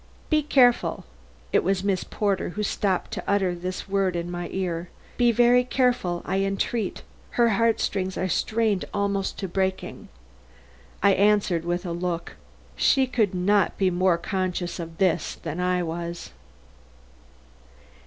"Be careful!" It was Miss Porter who stopped to utter this word in my ear. "Be very careful, I entreat. Her heart strings are strained almost to breaking." I answered with a look. She could not be more conscious of this than I was.